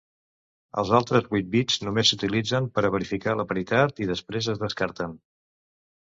Els altres vuit bits només s'utilitzen per verificar la paritat i després es descarten.